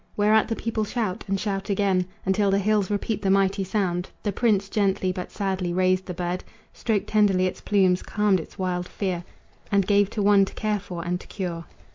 Whereat the people shout, and shout again, Until the hills repeat the mighty sound. The prince gently but sadly raised the bird, Stroked tenderly its plumes, calmed its wild fear, And gave to one to care for and to cure.